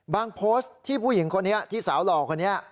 โพสต์ที่ผู้หญิงคนนี้ที่สาวหล่อคนนี้